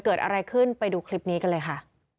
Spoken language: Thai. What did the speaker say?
เกิดอะไรขึ้นไปดูคลิปนี้กันเลยค่ะ